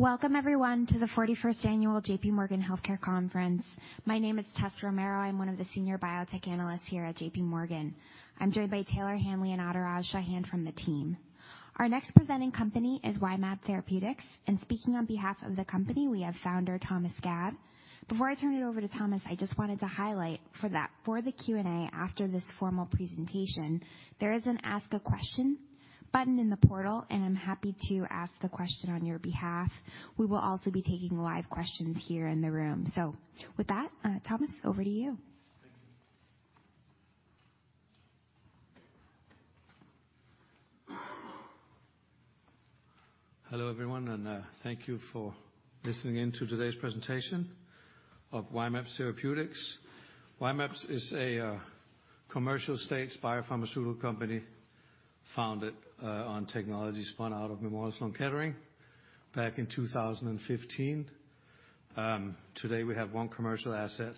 Welcome everyone to the 41st annual JPMorgan Healthcare Conference. My name is Tessa Romero. I'm one of the senior biotech analysts here at JPMorgan. I'm joined by Taylor Hanley and Adhiraj Chauhan from the team. Our next presenting company is Y-mAbs Therapeutics. Speaking on behalf of the company, we have Founder, Thomas Gad. Before I turn it over to Thomas, I just wanted to highlight for that, for the Q&A after this formal presentation, there is an Ask a Question button in the portal, and I'm happy to ask the question on your behalf. We will also be taking live questions here in the room. With that, Thomas, over to you. Thank you. Hello, everyone, and thank you for listening in to today's presentation of Y-mAbs Therapeutics. Y-mAbs is a commercial-stage biopharmaceutical company founded on technology spun out of Memorial Sloan Kettering back in 2015. Today we have one commercial asset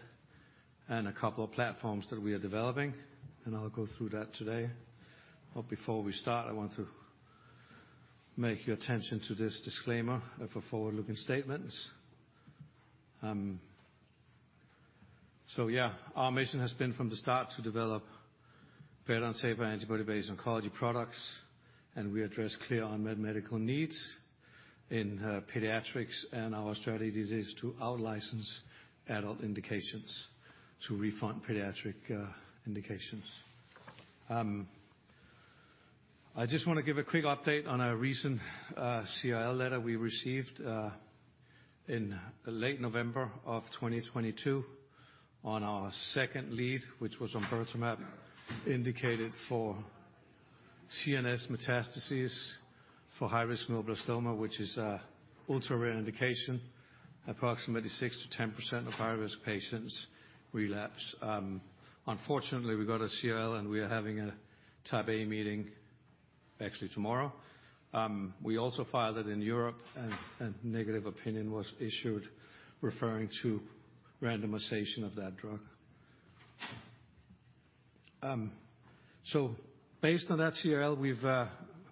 and a couple of platforms that we are developing, and I'll go through that today. Before we start, I want to make your attention to this disclaimer of a forward-looking statement. Yeah, our mission has been from the start to develop better and safer antibody-based oncology products, and we address clear unmet medical needs in pediatrics. Our strategy is to out-license adult indications to refund pediatric indications. I just wanna give a quick update on a recent CRL letter we received in late November of 2022 on our second lead, which was on omburtamab indicated for CNS metastases for high-risk neuroblastoma, which is a ultra-rare indication. Approximately 6%-10% of high-risk patients relapse. Unfortunately, we got a CRL, and we are having a Type A meeting actually tomorrow. We also filed it in Europe and negative opinion was issued referring to randomization of that drug. Based on that CRL, we've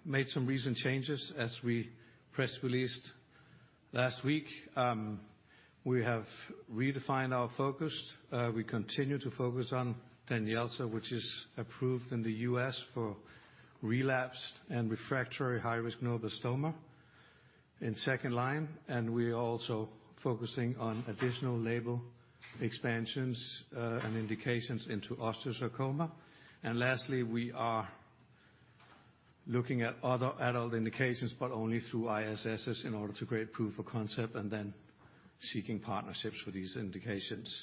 made some recent changes as we press-released last week. We have redefined our focus. We continue to focus on DANYELZA, which is approved in the U.S. for relapsed and refractory high-risk neuroblastoma in second line, and we are also focusing on additional label expansions and indications into osteosarcoma. Lastly, we are looking at other adult indications, but only through ISS in order to create proof of concept and then seeking partnerships for these indications.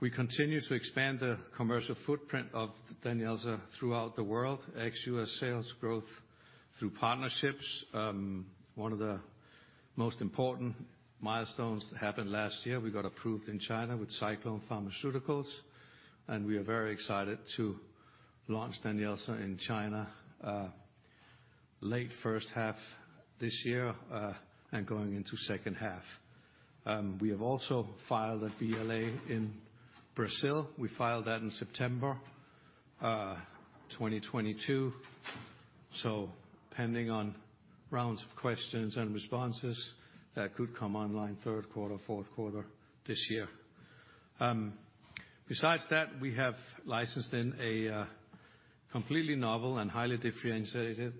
We continue to expand the commercial footprint of DANYELZA throughout the world. Ex-US sales growth through partnerships. One of the most important milestones happened last year. We got approved in China with SciClone Pharmaceuticals, and we are very excited to launch DANYELZA in China late first half this year and going into second half. We have also filed a BLA in Brazil. We filed that in September 2022. Depending on rounds of questions and responses, that could come online third quarter, fourth quarter this year. Besides that, we have licensed in a completely novel and highly differentiated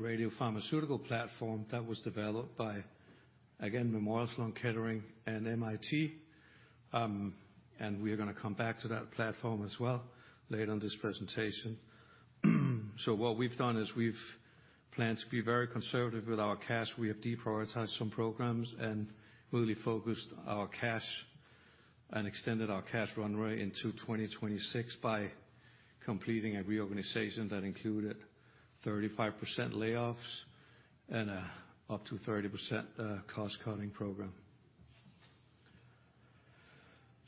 radiopharmaceutical platform that was developed by, again, Memorial Sloan Kettering and MIT. We are gonna come back to that platform as well later on this presentation. What we've done is we've planned to be very conservative with our cash. We have deprioritized some programs and really focused our cash and extended our cash runway into 2026 by completing a reorganization that included 35% layoffs and up to 30% cost-cutting program.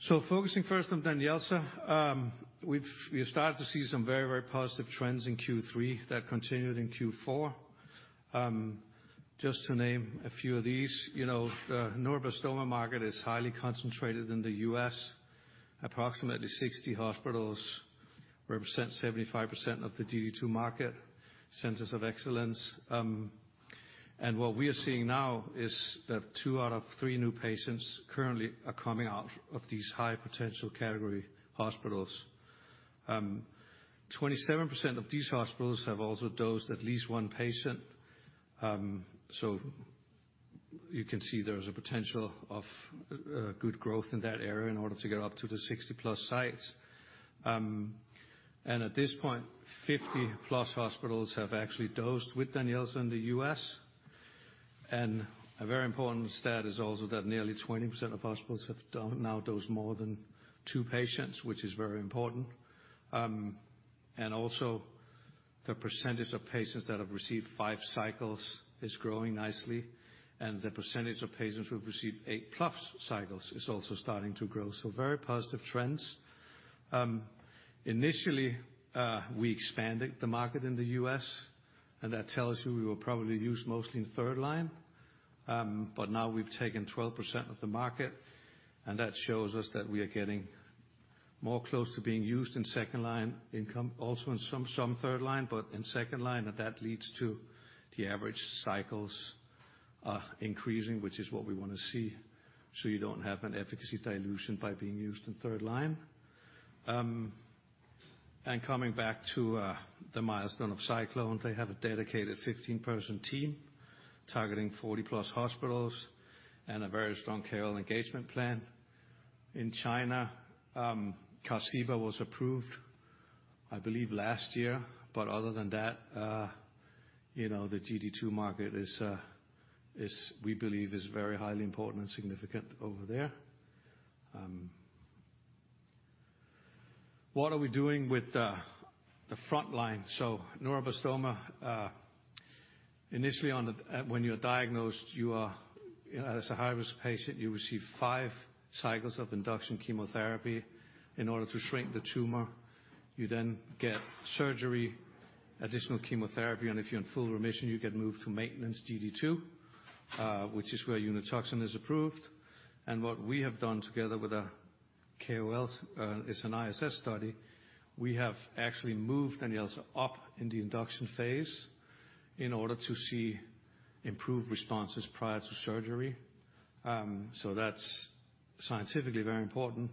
Focusing first on DANYELZA. We have started to see some very positive trends in Q3 that continued in Q4. Just to name a few of these, you know, neuroblastoma market is highly concentrated in the U.S. Approximately 60 hospitals represent 75% of the GD2 market, centers of excellence. What we are seeing now is that two out of three new patients currently are coming out of these high-potential category hospitals. 27% of these hospitals have also dosed at least one patient. You can see there's a potential of good growth in that area in order to get up to the 60+ sites. At this point, 50+ hospitals have actually dosed with DANYELZA in the U.S. A very important stat is also that nearly 20% of hospitals have now dosed more than two patients, which is very important. Also the percentage of patients that have received five cycles is growing nicely, and the percentage of patients who have received 8+ cycles is also starting to grow. Very positive trends. Initially, we expanded the market in the U.S., and that tells you we will probably use mostly in third line. Now we've taken 12% of the market, and that shows us that we are getting more close to being used in second line also in some third line, but in second line, and that leads to the average cycles increasing, which is what we wanna see, so you don't have an efficacy dilution by being used in third line. Coming back to the milestone of SciClone, they have a dedicated 15-person team targeting 40+ hospitals and a very strong KOL engagement plan. In China, Tarceva was approved, I believe, last year. Other than that, you know, the GD2 market is, we believe is very highly important and significant over there. What are we doing with the front line? Neuroblastoma, when you're diagnosed, you are, you know, as a high-risk patient, you receive five cycles of induction chemotherapy in order to shrink the tumor. You then get surgery, additional chemotherapy, and if you're in full remission, you get moved to maintenance GD2, which is where Unituxin is approved. What we have done together with KOLs is an ISS study. We have actually moved DANYELZA up in the induction phase in order to see improved responses prior to surgery. That's scientifically very important,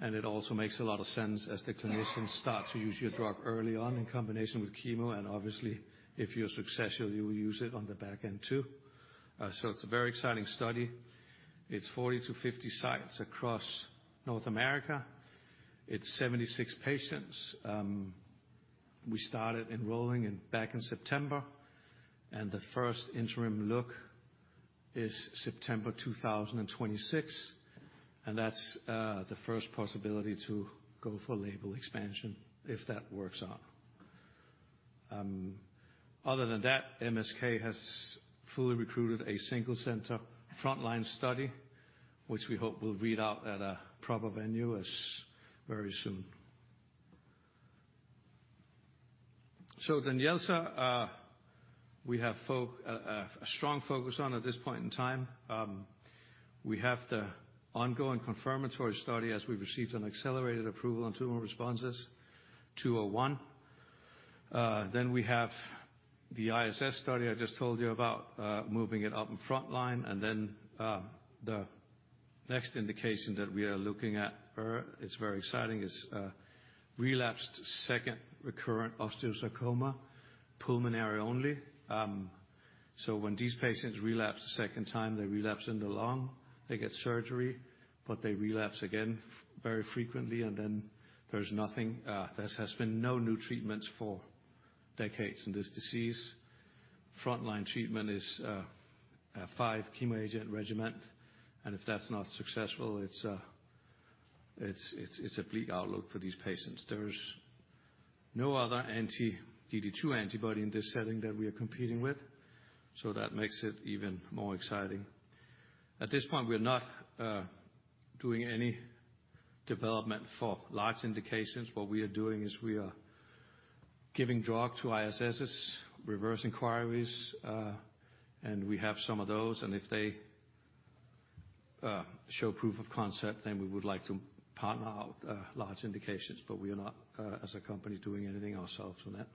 and it also makes a lot of sense as the clinicians start to use your drug early on in combination with chemo. Obviously, if you're successful, you will use it on the back end too. It's a very exciting study. It's 40-50 sites across North America. It's 76 patients. We started enrolling back in September, the first interim look is September 2026, and that's the first possibility to go for label expansion if that works out. Other than that, MSK has fully recruited a single center front-line study, which we hope will read out at a proper venue as very soon. DANYELZA, we have a strong focus on at this point in time. We have the ongoing confirmatory study as we've received an accelerated approval on tumor responses, 201. We have the ISS study I just told you about, moving it up in front line. The next indication that we are looking at is very exciting, is relapsed second recurrent osteosarcoma, pulmonary only. When these patients relapse a second time, they relapse in the lung, they get surgery, but they relapse again very frequently, and then there's nothing. There has been no new treatments for decades in this disease. Front line treatment is a 5 chemoagent regimen, and if that's not successful, it's a bleak outlook for these patients. There's no other anti-GD2 antibody in this setting that we are competing with, that makes it even more exciting. At this point, we're not doing any development for large indications. What we are doing is we are giving drug to ISSes, reverse inquiries, and we have some of those. If they show proof of concept, then we would like to partner out large indications, but we are not, as a company, doing anything ourselves on it.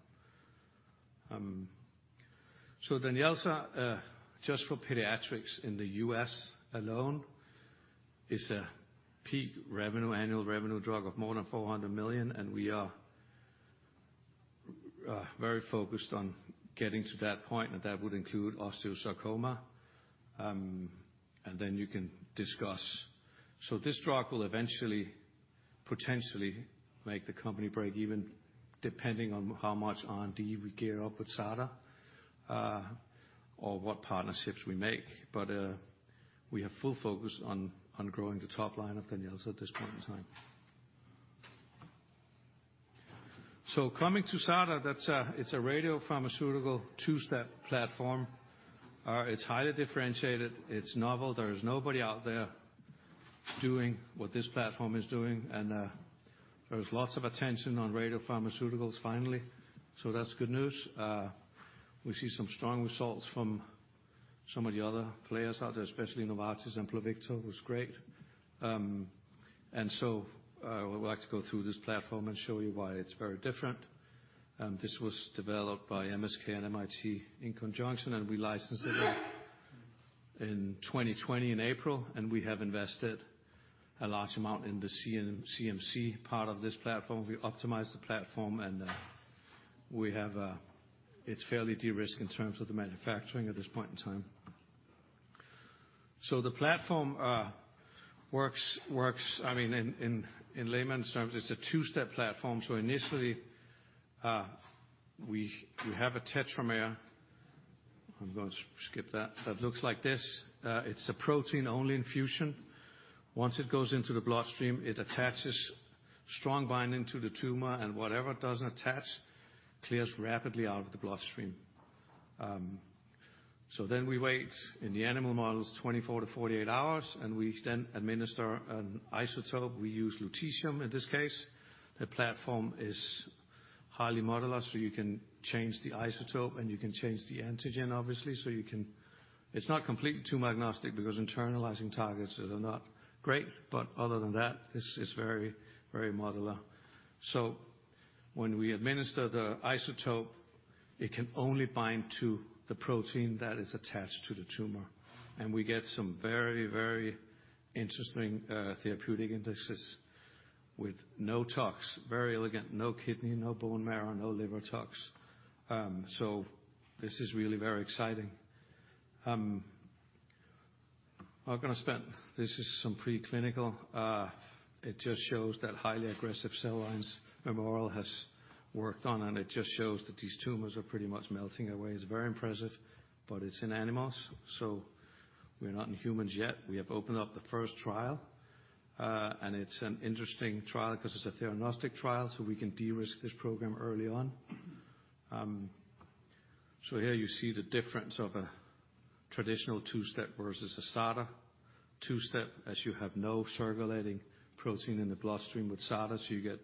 DANYELZA, just for pediatrics in the U.S. alone, is a peak revenue, annual revenue drug of more than $400 million, and we are very focused on getting to that point, and that would include osteosarcoma. You can discuss... This drug will eventually, potentially make the company break even depending on how much R&D we gear up with SADA, or what partnerships we make. We have full focus on growing the top line of DANYELZA at this point in time. Coming to SADA, it's a radiopharmaceutical two-step platform. It's highly differentiated. It's novel. There's nobody out there doing what this platform is doing. There's lots of attention on radiopharmaceuticals finally. That's good news. We see some strong results from some of the other players out there, especially Novartis and Pluvicto was great. We would like to go through this platform and show you why it's very different. This was developed by MSK and MIT in conjunction, and we licensed it in 2020 in April, and we have invested a large amount in the CMC part of this platform. We optimized the platform. We have... It's fairly de-risked in terms of the manufacturing at this point in time. The platform works. I mean, in layman's terms, it's a two-step platform. Initially, we have a tetramer. I'm going to skip that. That looks like this. It's a protein-only infusion. Once it goes into the bloodstream, it attaches strong binding to the tumor, and whatever doesn't attach clears rapidly out of the bloodstream. We wait in the animal models 24-48 hours, and we then administer an isotope. We use lutetium in this case. The platform is highly modular, so you can change the isotope and you can change the antigen, obviously. You can. It's not completely tumor-agnostic because internalizing targets, they are not great. Other than that, this is very, very modular. When we administer the isotope, it can only bind to the protein that is attached to the tumor. We get some very, very interesting therapeutic indices with no tox, very elegant, no kidney, no bone marrow, no liver tox. This is really very exciting. I'm gonna spend. This is some preclinical. It just shows that highly aggressive cell lines Memorial has worked on, and it just shows that these tumors are pretty much melting away. It's very impressive, but it's in animals, so we're not in humans yet. We have opened up the first trial, and it's an interesting trial cause it's a theranostic trial, so we can de-risk this program early on. Here you see the difference of a traditional two-step versus a SADA two-step, as you have no circulating protein in the bloodstream with SADA, so you get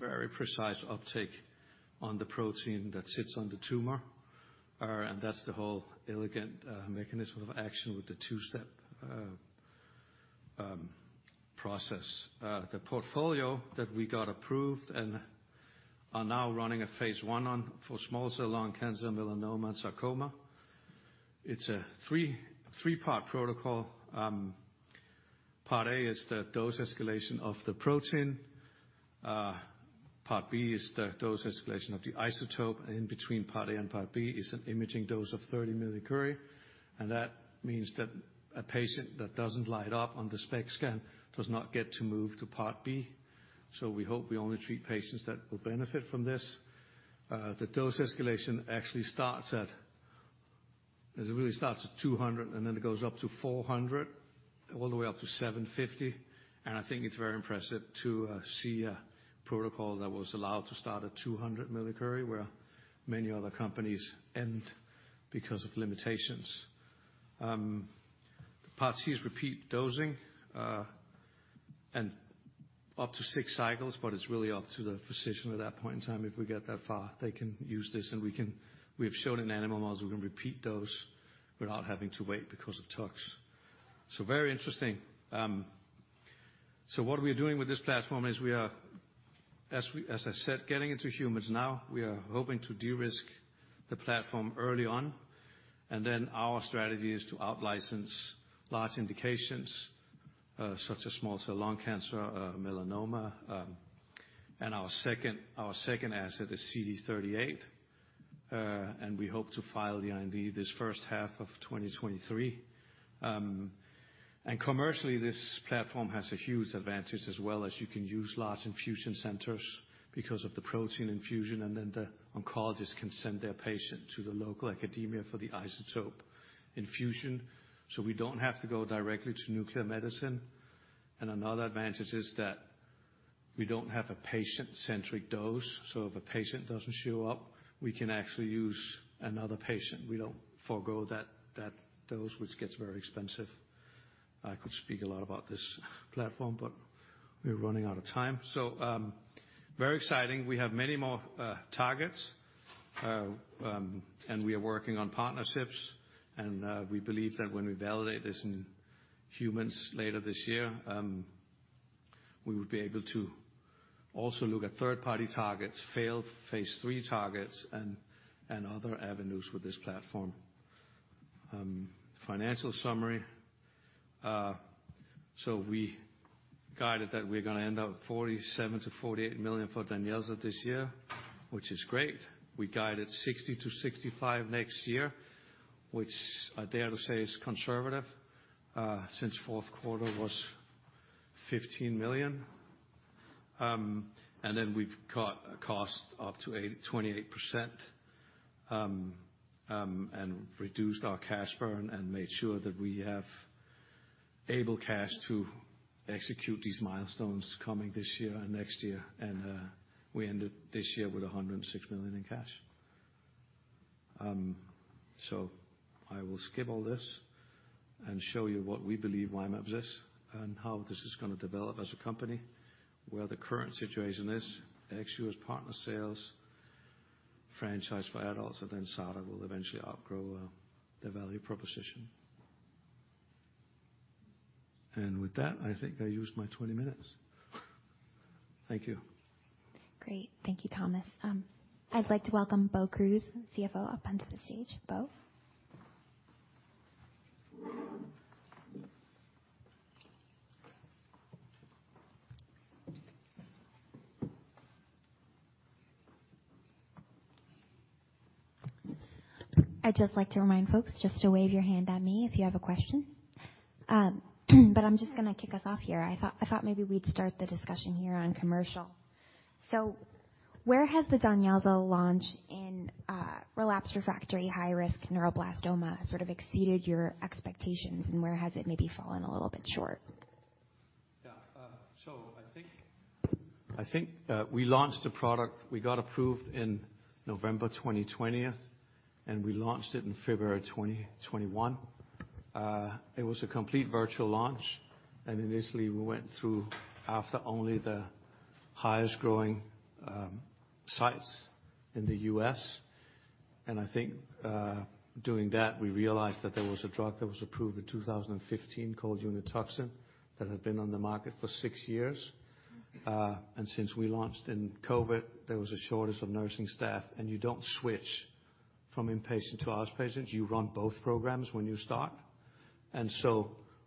very precise uptake on the protein that sits on the tumor. That's the whole elegant mechanism of action with the two-step process. The portfolio that we got approved and are now running a phase I on for small cell lung cancer, melanoma, and sarcoma. It's a three-part protocol. Part A is the dose escalation of the protein. Part B is the dose escalation of the isotope. In between part A and part B is an imaging dose of 30 millicurie, and that means that a patient that doesn't light up on the SPECT scan does not get to move to part B, so we hope we only treat patients that will benefit from this. The dose escalation actually starts at 200 millicurie, and then it goes up to 400 millicurie, all the way up to 750 millicurie. I think it's very impressive to see a protocol that was allowed to start at 200 millicurie, where many other companies end because of limitations. Part C is repeat dosing, and up to six cycles, but it's really up to the physician at that point in time, if we get that far. They can use this, and we can We've shown in animal models we can repeat dose without having to wait because of tox. Very interesting. What we're doing with this platform is we are, as I said, getting into humans now. We are hoping to de-risk the platform early on, and then our strategy is to out-license large indications, such as small cell lung cancer, melanoma. Our second asset is CD38, and we hope to file the IND this first half of 2023. Commercially, this platform has a huge advantage as well, as you can use large infusion centers because of the protein infusion, and then the oncologist can send their patient to the local academia for the isotope infusion. We don't have to go directly to nuclear medicine. Another advantage is that we don't have a patient-centric dose, so if a patient doesn't show up, we can actually use another patient. We don't forgo that dose, which gets very expensive. I could speak a lot about this platform, but we're running out of time. Very exciting. We have many more targets, and we are working on partnerships. We believe that when we validate this in humans later this year, we will be able to also look at third-party targets, failed phase III targets, and other avenues with this platform. Financial summary. We guided that we're gonna end up $47 million-$48 million for DANYELZA this year, which is great. We guided $60 million-$65 million next year, which I dare to say is conservative, since fourth quarter was $15 million. We've cut cost up to 28% and reduced our cash burn and made sure that we have able cash to execute these milestones coming this year and next year. We ended this year with $106 million in cash. I will skip all this and show you what we believe Y-mAbs is and how this is gonna develop as a company, where the current situation is. ex-US as partner sales, franchise for adults, then SADA will eventually outgrow the value proposition. With that, I think I used my 20 minutes. Thank you. Great. Thank you, Thomas. I'd like to welcome Bo Kruse, CFO, up onto the stage. Bo? I'd just like to remind folks just to wave your hand at me if you have a question. I'm just gonna kick us off here. I thought maybe we'd start the discussion here on commercial. Where has the DANYELZA launch in relapsed refractory high-risk neuroblastoma sort of exceeded your expectations, and where has it maybe fallen a little bit short? I think we launched a product we got approved in November 2020. We launched it in February 2021. It was a complete virtual launch. Initially we went through after only the highest growing sites in the U.S. I think doing that, we realized that there was a drug that was approved in 2015 called Unituxin that had been on the market for six years. Since we launched in COVID, there was a shortage of nursing staff. You don't switch from inpatient to outpatients. You run both programs when you start.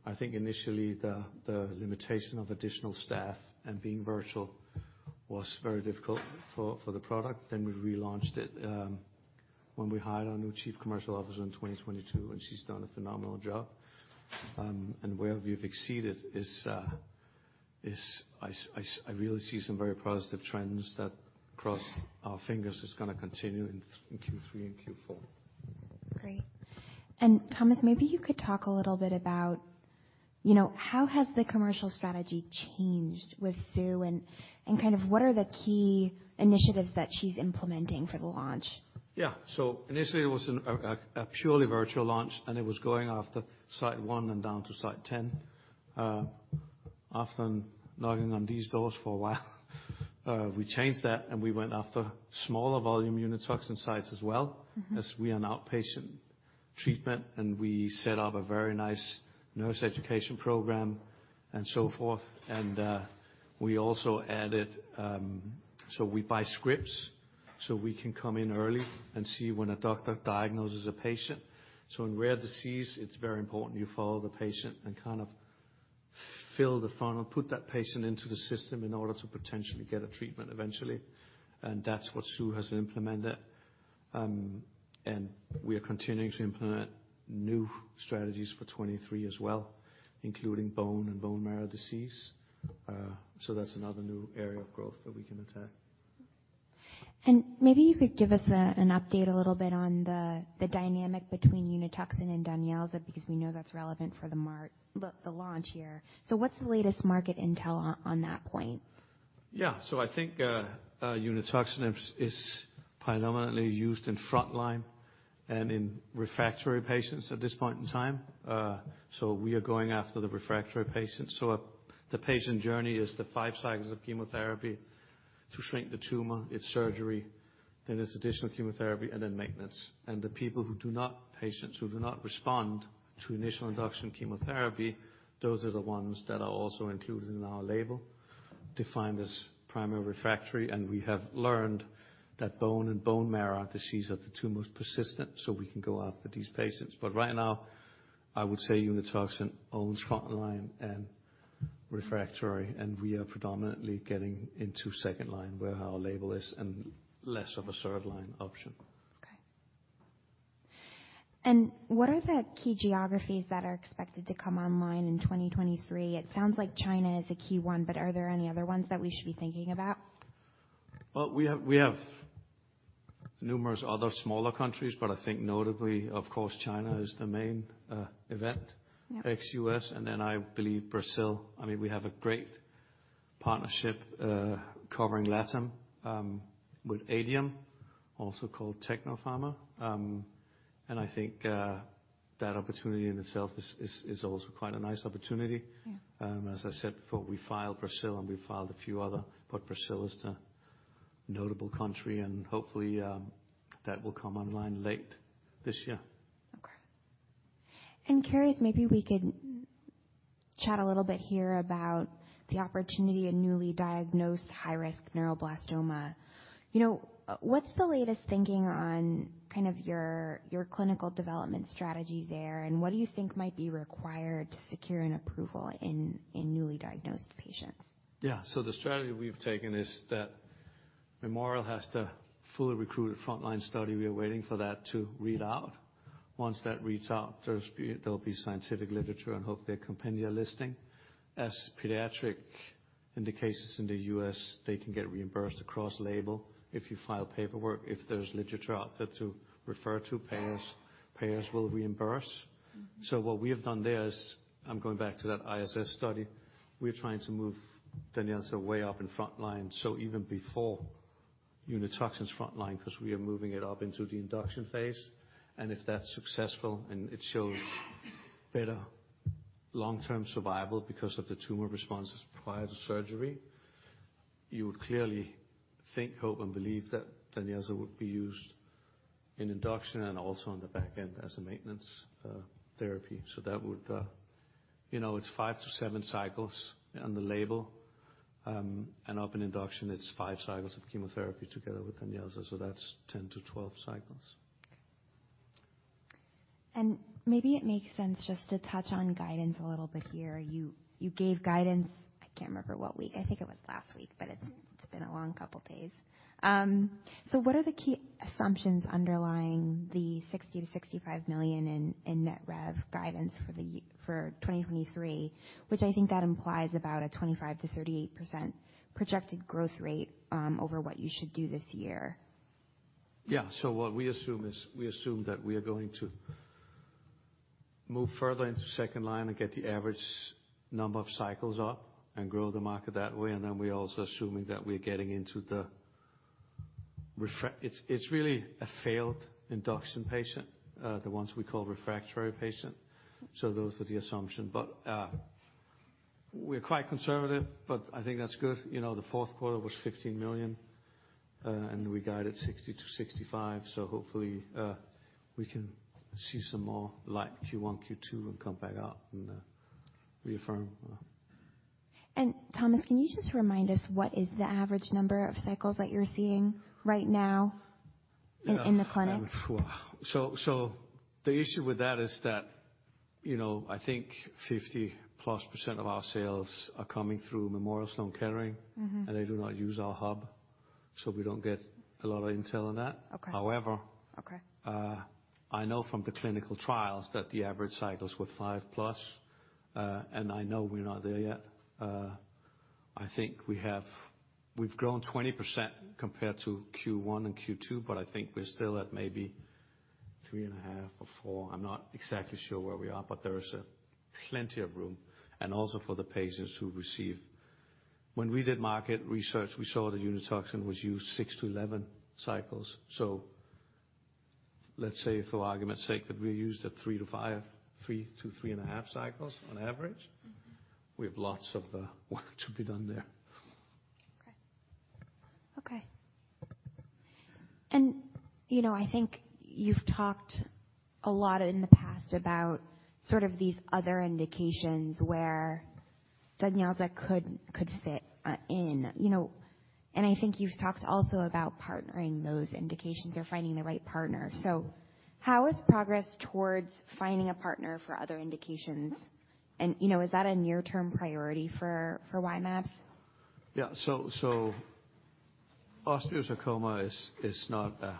I think initially the limitation of additional staff and being virtual was very difficult for the product. We relaunched it, when we hired our new chief commercial officer in 2022, and she's done a phenomenal job. Where we've exceeded is I really see some very positive trends that cross our fingers is gonna continue in Q3 and Q4. Great. Thomas, maybe you could talk a little bit about, you know, how has the commercial strategy changed with Sue and kind of what are the key initiatives that she's implementing for the launch? Yeah. Initially it was a purely virtual launch. It was going after site one and down to site 10. After knocking on these doors for a while, we changed that. We went after smaller volume Unituxin sites as well. Mm-hmm. As we are an outpatient treatment, and we set up a very nice nurse education program and so forth. We also added. We buy scripts, so we can come in early and see when a doctor diagnoses a patient. In rare disease, it's very important you follow the patient and kind of fill the funnel, put that patient into the system in order to potentially get a treatment eventually. That's what Sue has implemented. We are continuing to implement new strategies for 2023 as well, including bone and bone marrow disease. That's another new area of growth that we can attack. Maybe you could give us an update a little bit on the dynamic between Unituxin and DANYELZA because we know that's relevant for the launch here. What's the latest market intel on that point? Yeah. I think, Unituxin is predominantly used in frontline and in refractory patients at this point in time. We are going after the refractory patients. The patient journey is the five cycles of chemotherapy to shrink the tumor. It's surgery, then it's additional chemotherapy, and then maintenance. Patients who do not respond to initial induction chemotherapy, those are the ones that are also included in our label, defined as primary refractory. We have learned that bone and bone marrow diseases are the two most persistent, so we can go after these patients. Right now, I would say Unituxin owns frontline and refractory, and we are predominantly getting into second line where our label is and less of a third line option. Okay. What are the key geographies that are expected to come online in 2023? It sounds like China is a key one, but are there any other ones that we should be thinking about? Well, we have numerous other smaller countries, but I think notably, of course, China is the main event- Yeah. Ex-US and then I believe Brazil. I mean, we have a great partnership, covering LATAM, with Adium, also called Tecnofarma. I think that opportunity in itself is also quite a nice opportunity. Yeah. As I said before, we filed Brazil and we filed a few other, but Brazil is the notable country and hopefully, that will come online late this year. Okay. Curious, maybe we could chat a little bit here about the opportunity in newly diagnosed high-risk neuroblastoma. You know, what's the latest thinking on kind of your clinical development strategy there? What do you think might be required to secure an approval in newly diagnosed patients? Yeah. The strategy we've taken is that Memorial has to fully recruit a frontline study. We are waiting for that to read out. Once that reads out, there'll be scientific literature and hopefully a compendia listing. As pediatric indications in the U.S., they can get reimbursed across label if you file paperwork. If there's literature out there to refer to payers will reimburse. Mm-hmm. What we have done there is I'm going back to that ISS study. We're trying to move DANYELZA way up in frontline, so even before Unituxin's frontline 'cause we are moving it up into the induction phase. If that's successful and it shows better long-term survival because of the tumor responses prior to surgery, you would clearly think, hope, and believe that DANYELZA would be used in induction and also on the back end as a maintenance therapy. That would, you know, it's 5-7 cycles on the label, and up in induction, it's five cycles of chemotherapy together with DANYELZA. That's 10-12 cycles. Maybe it makes sense just to touch on guidance a little bit here. You gave guidance, I can't remember what week. I think it was last week, but it's been a long couple days. So what are the key assumptions underlying the $60 million-$65 million in net rev guidance for 2023, which I think that implies about a 25%-38% projected growth rate over what you should do this year. What we assume is we assume that we are going to move further into second line and get the average number of cycles up and grow the market that way. Then we're also assuming that we're getting into the it's really a failed induction patient, the ones we call refractory patient. Those are the assumption. We're quite conservative, but I think that's good. You know, the fourth quarter was $15 million and we guided $60 million-$65 million. Hopefully, we can see some more like Q1, Q2, and come back up and reaffirm. Thomas, can you just remind us what is the average number of cycles that you're seeing right now in the clinic? Yeah. So the issue with that is that, you know, I think 50%+ of our sales are coming through Memorial Sloan Kettering. Mm-hmm. They do not use our hub, so we don't get a lot of intel on that. Okay. However- Okay... I know from the clinical trials that the average cycles were 5+. I know we're not there yet. I think we've grown 20% compared to Q1 and Q2, but I think we're still at maybe 3.5 cycles or 4 cycles. I'm not exactly sure where we are, but there is plenty of room. For the patients When we did market research, we saw that Unituxin was used 6-11 cycles. Let's say for argument's sake that we used a 3-5 cycles, 3-3.5 cycles on average. Mm-hmm. We have lots of work to be done there. Okay. Okay. You know, I think you've talked a lot in the past about sort of these other indications where DANYELZA could fit in. You know, I think you've talked also about partnering those indications or finding the right partner. How is progress towards finding a partner for other indications? You know, is that a near-term priority for Y-mAbs? Yeah. Osteosarcoma is not a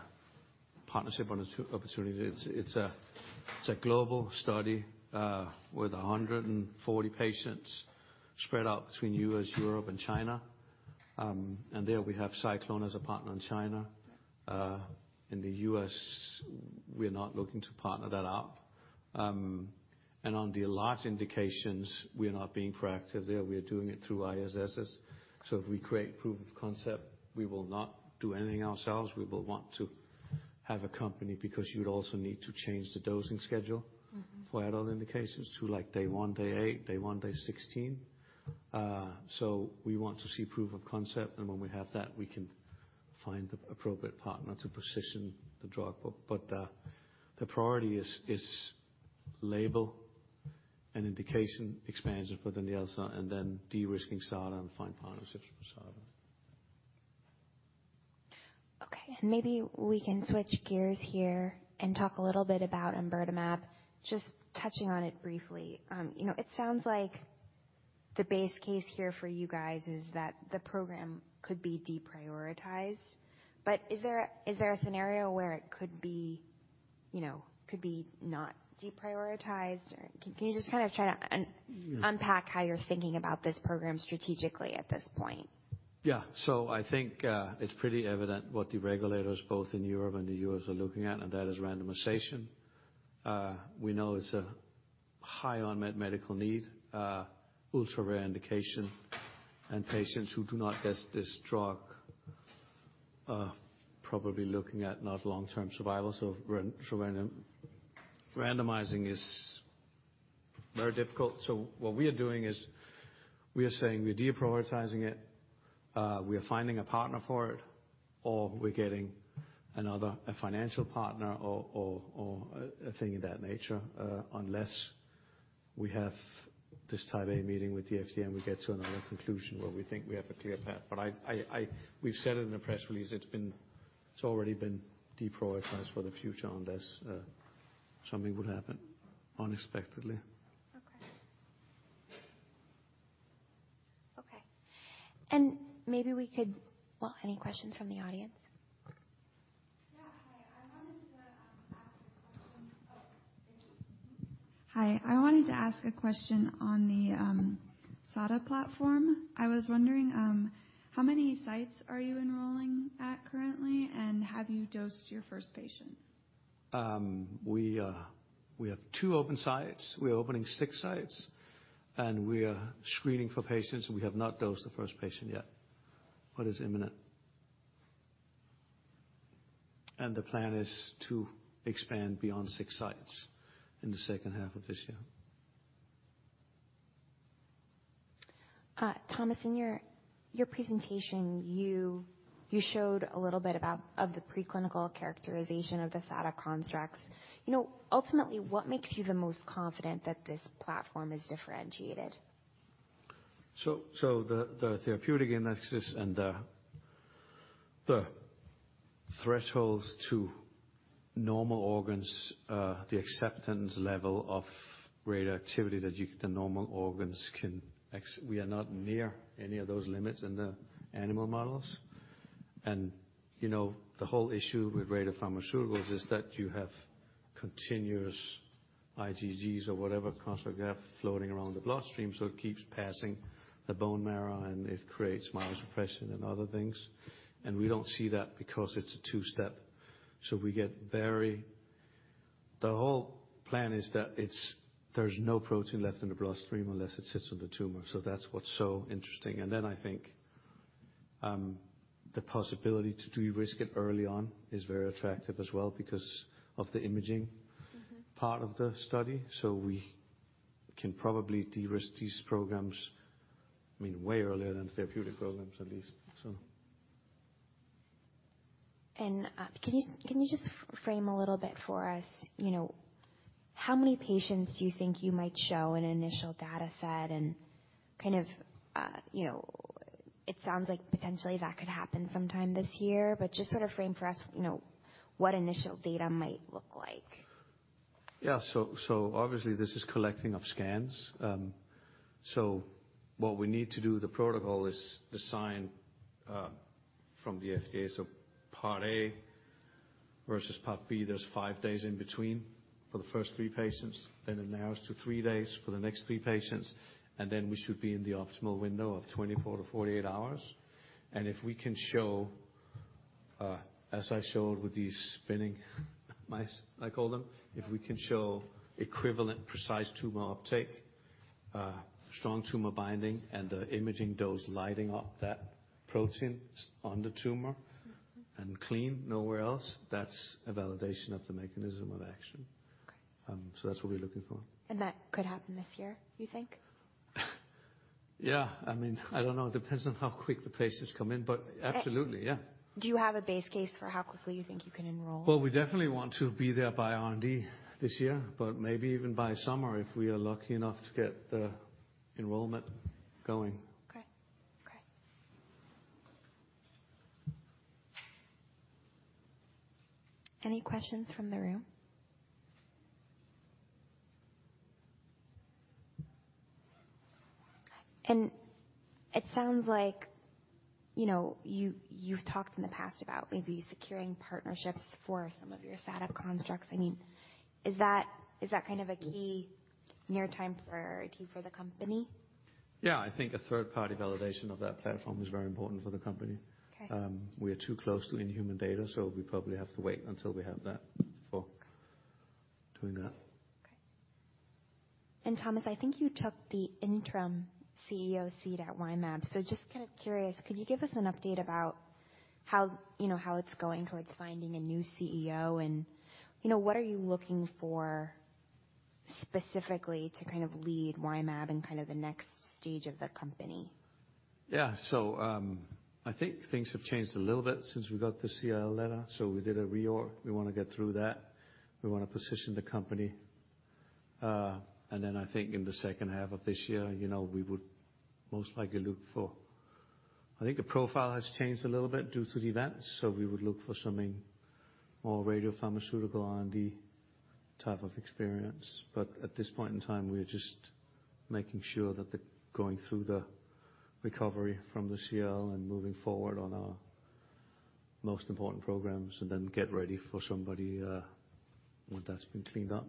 partnership opportunity. It's a global study with 140 patients spread out between U.S., Europe, and China. There we have SciClone as a partner in China. In the U.S., we're not looking to partner that up. On the large indications, we're not being proactive there. We are doing it through ISSes. If we create proof of concept, we will not do anything ourselves. We will want to have a company because you'd also need to change the dosing schedule- Mm-hmm ...for adult indications to like day 1, day 8, day 1, day 16. We want to see proof of concept, and when we have that, we can find the appropriate partner to position the drug. The priority is label and indication expansion for DANYELZA and then de-risking SADA and find partnerships for SADA. Okay. Maybe we can switch gears here and talk a little bit about omburtamab. Just touching on it briefly. You know, it sounds like the base case here for you guys is that the program could be deprioritized. Is there a scenario where it could be, you know, could be not deprioritized? Or can you just kinda try to un. Yeah unpack how you're thinking about this program strategically at this point? I think it's pretty evident what the regulators both in Europe and the U.S. are looking at, and that is randomization. We know it's a high unmet medical need, ultra-rare indication, and patients who do not get this drug are probably looking at not long-term survival. Randomizing is very difficult. What we are doing is we are saying we are deprioritizing it, we are finding a partner for it, or we're getting another, a financial partner or a thing of that nature. Unless we have this Type A meeting with the FDA, and we get to another conclusion where we think we have a clear path. We've said it in the press release, it's been, it's already been deprioritized for the future unless something would happen unexpectedly. Okay. Okay. Well, any questions from the audience? Hi. I wanted to ask a question on the SADA platform. I was wondering, how many sites are you enrolling at currently, and have you dosed your first patient? We have two open sites. We're opening six sites, and we are screening for patients, and we have not dosed the first patient yet, but it's imminent. The plan is to expand beyond six sites in the second half of this year. Thomas, in your presentation, you showed a little bit about of the preclinical characterization of the SADA constructs. You know, ultimately, what makes you the most confident that this platform is differentiated? The therapeutic indexes and the thresholds to normal organs, the acceptance level of radioactivity that the normal organs can accept we are not near any of those limits in the animal models. You know, the whole issue with radiopharmaceuticals is that you have continuous IgGs or whatever construct you have floating around the bloodstream, so it keeps passing the bone marrow, and it creates myelosuppression and other things. We don't see that because it's a two-step. The whole plan is that there's no protein left in the bloodstream unless it sits on the tumor. That's what's so interesting. Then I think the possibility to de-risk it early on is very attractive as well because of the imaging. Mm-hmm. -part of the study. We can probably de-risk these programs, I mean, way earlier than therapeutic programs, at least, so. Can you just frame a little bit for us, you know, how many patients do you think you might show an initial data set and kind of, you know, it sounds like potentially that could happen sometime this year? Just sort of frame for us, you know, what initial data might look like. Yeah. Obviously this is collecting of scans. What we need to do with the protocol is the sign from the FDA. Part A versus part B, there's five days in between for the first three patients, then it narrows to three days for the next three patients, and then we should be in the optimal window of 24-48 hours. If we can show, as I showed with these spinning mice, I call them- Yeah. If we can show equivalent precise tumor uptake, strong tumor binding, and the imaging dose lighting up that protein on the tumor. Mm-hmm. Clean nowhere else, that's a validation of the mechanism of action. Okay. That's what we're looking for. That could happen this year, you think? Yeah. I mean, I don't know. It depends on how quick the patients come in, but absolutely, yeah. Do you have a base case for how quickly you think you can enroll? We definitely want to be there by R&D this year, but maybe even by summer if we are lucky enough to get the enrollment going. Okay. Okay. Any questions from the room? It sounds like, you know, you've talked in the past about maybe securing partnerships for some of your SADA constructs. I mean, is that kind of a key near-term priority for the company? Yeah, I think a third-party validation of that platform is very important for the company. Okay. We are too close to the human data, so we probably have to wait until we have that before doing that. Okay. Thomas, I think you took the interim CEO seat at Y-mAbs. Just kind of curious, could you give us an update about how, you know, how it's going towards finding a new CEO, and, you know, what are you looking for specifically to kind of lead Y-mAbs in kind of the next stage of the company? Yeah. I think things have changed a little bit since we got the CRL letter, so we did a reorg. We wanna get through that. We wanna position the company. I think in the second half of this year, you know, we would most likely look for. I think the profile has changed a little bit due to the events, so we would look for something more radiopharmaceutical R&D type of experience. At this point in time, we're just making sure that the going through the recovery from the CRL and moving forward on our most important programs, and then get ready for somebody when that's been cleaned up.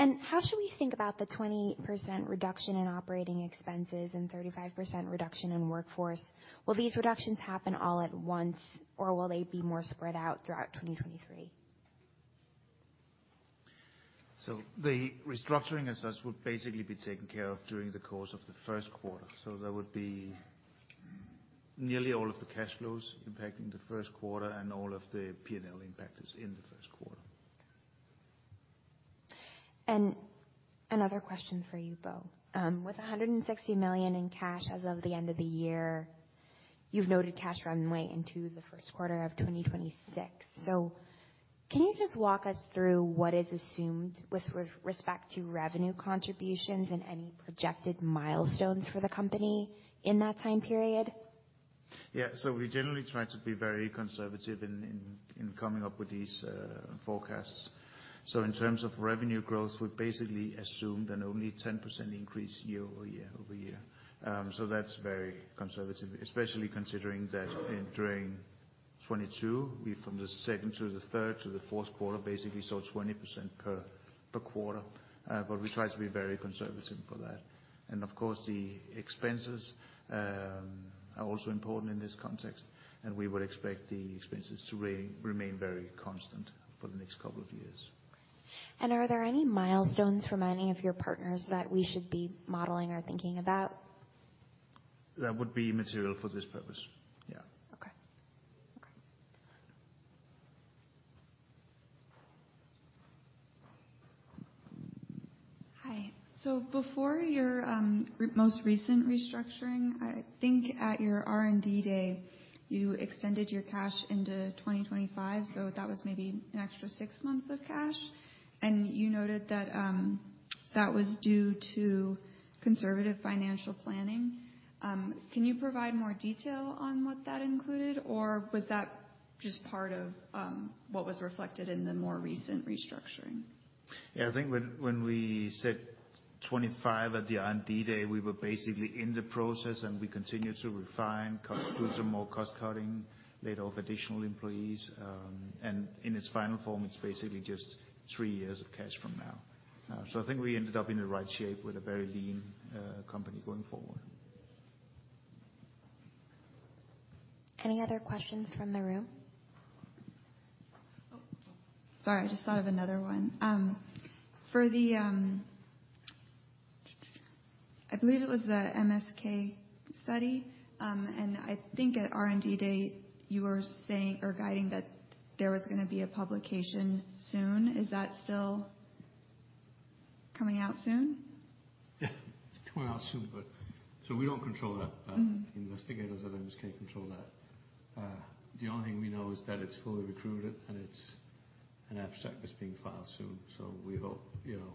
Okay. How should we think about the 20% reduction in operating expenses and 35% reduction in workforce? Will these reductions happen all at once, or will they be more spread out throughout 2023? The restructuring as such would basically be taken care of during the course of the first quarter. There would be nearly all of the cash flows impacting the first quarter and all of the P&L impact is in the first quarter. Another question for you, Bo. With $160 million in cash as of the end of the year, you've noted cash runway into the first quarter of 2026. Can you just walk us through what is assumed with respect to revenue contributions and any projected milestones for the company in that time period? Yeah. We generally try to be very conservative in coming up with these forecasts. In terms of revenue growth, we've basically assumed an only 10% increase year-over-year. That's very conservative, especially considering that during 2022, from the second to the third to the fourth quarter, basically saw 20% per quarter. We try to be very conservative for that. Of course, the expenses are also important in this context, and we would expect the expenses to remain very constant for the next couple of years. Are there any milestones from any of your partners that we should be modeling or thinking about? That would be material for this purpose. Yeah. Okay. Okay. All right. Hi. Before your [most] recent restructuring, I think at your R&D Day, you extended your cash into 2025, so that was maybe an extra six months of cash. You noted that that was due to conservative financial planning. Can you provide more detail on what that included, or was that just part of what was reflected in the more recent restructuring? Yeah. I think when we said 2025 at the R&D Day, we were basically in the process, and we continued to refine, do some more cost-cutting, laid off additional employees. In its final form, it's basically just three years of cash from now. I think we ended up in the right shape with a very lean company going forward. Any other questions from the room? Oh, sorry. I just thought of another one. For the, I believe it was the MSK study, I think at R&D Day you were saying or guiding that there was going to be a publication soon. Is that still coming out soon? Yeah, it's coming out soon. We don't control that. Mm-hmm. The investigators at MSK control that. The only thing we know is that it's fully recruited and an abstract is being filed soon. We hope, you know,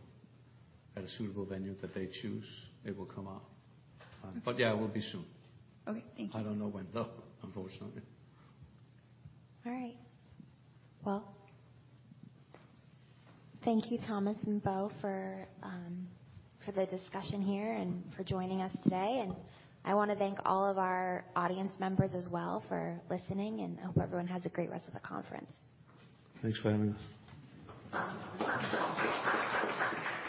at a suitable venue that they choose, it will come out. Yeah, it will be soon. Okay. Thank you. I don't know when, though, unfortunately. All right. Well, thank you, Thomas and Bo for for the discussion here and for joining us today. I wanna thank all of our audience members as well for listening, and I hope everyone has a great rest of the conference. Thanks for having us.